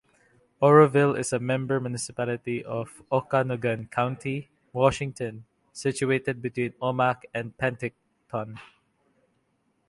Oroville is a member municipality of Okanogan County, Washington, situated between Omak and Penticton.